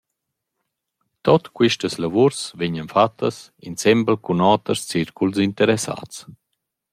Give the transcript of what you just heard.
Tuot quistas lavuors vegnan fattas insembel cun oters circuls interessats.